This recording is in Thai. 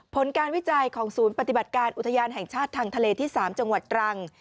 ผลการวิจัยของศูนย์ปฏิบัติการอุทยานแห่งชาติทางทะเลที่๓จังหวัดตรัง